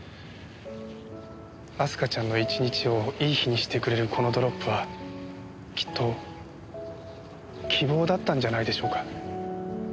明日香ちゃんの一日をいい日にしてくれるこのドロップはきっと希望だったんじゃないでしょうか？